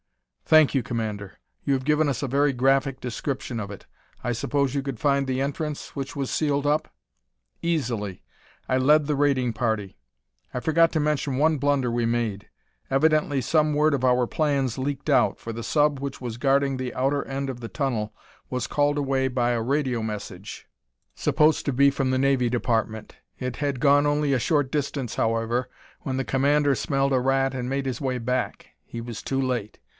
"Thank you, Commander; you have given us a very graphic description of it. I suppose you could find the entrance which was sealed up?" "Easily. I led the raiding party. I forgot to mention one blunder we made. Evidently some word of our plans leaked out, for the sub which was guarding the outer end of the tunnel was called away by a radio message supposed to be from the Navy Department. It had gone only a short distance, however, when the commander smelled a rat and made his way back. He was too late.